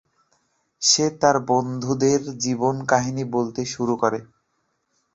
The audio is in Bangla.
সে তার বন্ধুদের জীবন কাহিনী বলতে শুরু করে।